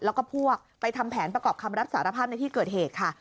แล้วก็พวกไปทำแผนประกอบคำรับสารภาพในที่เกิดเหตุค่ะ